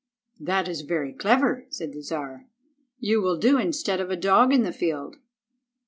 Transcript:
"That is very clever," said the Czar. "You will do instead of a dog in the field."